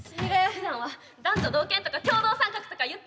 ふだんは男女同権とか共同参画とか言ってるくせに。